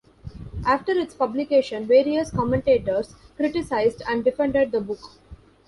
After its publication, various commentators criticized and defended the book.